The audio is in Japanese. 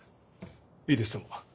いいですとも。